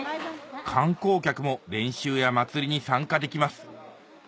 観光客も練習や祭りに参加できます